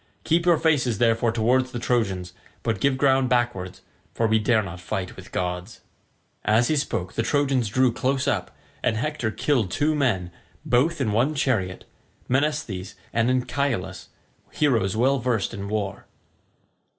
Keep your faces therefore towards the Trojans, but give ground backwards, for we dare not fight with gods." As he spoke the Trojans drew close up, and Hector killed two men, both in one chariot, Menesthes and Anchialus, heroes well versed in war.